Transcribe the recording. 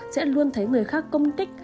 sẽ luôn thấy người khác công tích